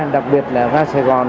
đặc biệt là ga sài gòn